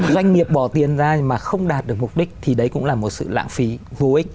doanh nghiệp bỏ tiền ra mà không đạt được mục đích thì đấy cũng là một sự lãng phí vô ích